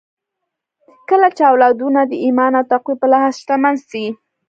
کله چې اولادونه د ايمان او تقوی په لحاظ شتمن سي